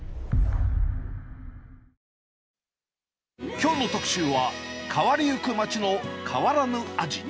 きょうの特集は、変わりゆく街の変わらぬ味。